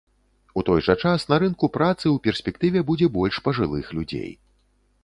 У той жа час на рынку працы ў перспектыве будзе больш пажылых людзей.